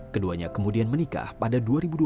keduanya kemudian menikah pada dua ribu dua belas